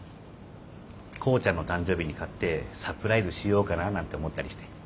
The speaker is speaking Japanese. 耕ちゃんの誕生日に買ってサプライズしようかなぁなんて思ったりして。